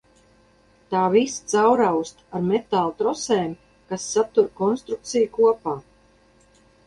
Tā visa caurausta ar metāla trosēm, kas satur konstrukciju kopā.